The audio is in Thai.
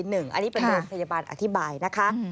อันนี้เป็นโรงพยาบาลอธิบายนะคะ